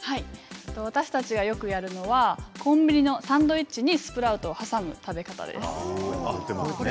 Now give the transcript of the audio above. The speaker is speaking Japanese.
私たちがよくやるのはコンビニのサンドイッチにスプラウトを挟んだ食べ方です。